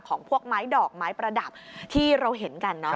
ของพวกไม้ดอกไม้ประดับที่เราเห็นกันเนอะ